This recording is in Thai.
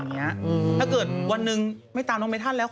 ถ้าเกิดวันหนึ่งไม่ตามน้องเมทันแล้ว